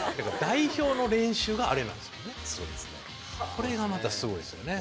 これがまたすごいですよね。